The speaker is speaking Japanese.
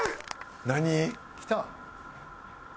何？来た！